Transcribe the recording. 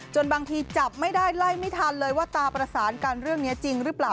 บางทีจับไม่ได้ไล่ไม่ทันเลยว่าตาประสานกันเรื่องนี้จริงหรือเปล่า